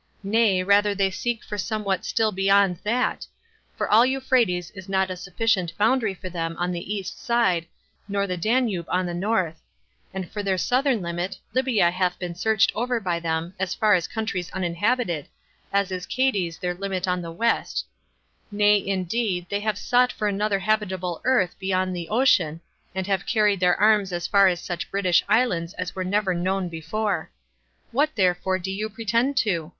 nay, rather they seek for somewhat still beyond that; for all Euphrates is not a sufficient boundary for them on the east side, nor the Danube on the north; and for their southern limit, Libya hath been searched over by them, as far as countries uninhabited, as is Cadiz their limit on the west; nay, indeed, they have sought for another habitable earth beyond the ocean, and have carried their arms as far as such British islands as were never known before. What therefore do you pretend to?